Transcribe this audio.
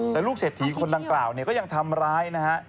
แต่ลูกเศรษฐีคนดังกล่าวเนี่ยก็ยังทำร้ายนะฮะ